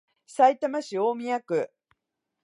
さいたま市大宮区